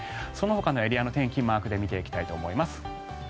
そのほかのエリアの天気マークで見ていきたいと思います。